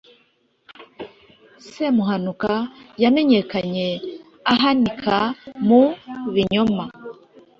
Semuhanuka yamenyekanye ahanika mu binyoma